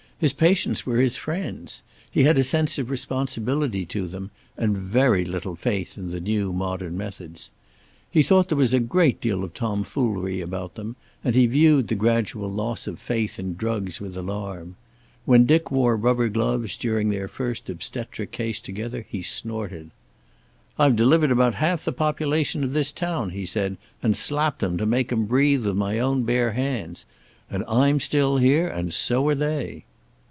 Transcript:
His patients were his friends. He had a sense of responsibility to them, and very little faith in the new modern methods. He thought there was a great deal of tomfoolery about them, and he viewed the gradual loss of faith in drugs with alarm. When Dick wore rubber gloves during their first obstetric case together he snorted. "I've delivered about half the population of this town," he said, "and slapped 'em to make 'em breathe with my own bare hands. And I'm still here and so are they."